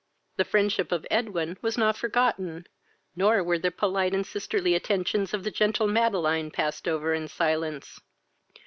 The friendship of Edwin was not forgotten, nor were the polite and sisterly attentions of the gentle Madeline passed over in silence.